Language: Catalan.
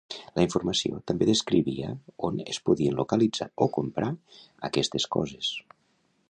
La informació també descrivia on es podien localitzar o comprar aquestes coses.